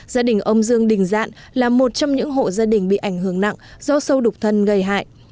gia đình ông dương đình dạn là một trong những hộ gia đình bị ảnh hưởng nặng do sâu đục thân gây hại